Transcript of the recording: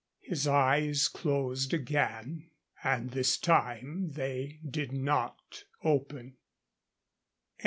His eyes closed again. And this time they did not open.